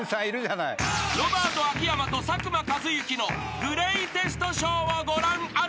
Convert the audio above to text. ［ロバート秋山と佐久間一行のグレーテストショーをご覧あれ］